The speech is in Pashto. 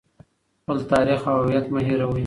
خپل تاریخ او هویت مه هیروئ.